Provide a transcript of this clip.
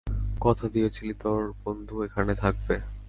কথা দিয়েছিলি, তোর বন্ধু এখানে থাকবে।